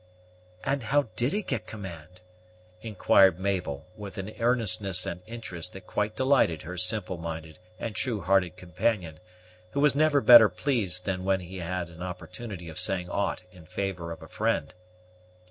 "And how did he get command?" inquired Mabel, with an earnestness and interest that quite delighted her simple minded and true hearted companion, who was never better pleased than when he had an opportunity of saying aught in favor of a friend.